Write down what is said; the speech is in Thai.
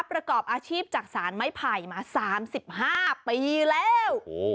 ประกอบอาชีพจักษานไม้ไผ่มา๓๕ปีแล้ว